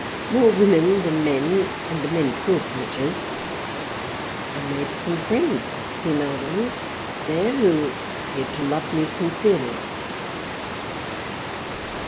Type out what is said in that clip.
More Women than Men, and the Men poor creatures, I made some Friends, Female ones, there who appeared to Love me sincerely.